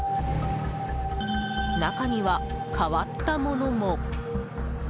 中には変わった物も。